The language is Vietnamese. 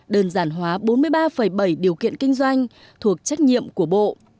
đơn giản hóa bốn mươi ba bảy điều kiện kinh doanh thuộc trách nhiệm của bộ